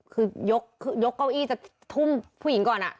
คือยกเก้าอี้จะทุ่มผู้หญิงก่อน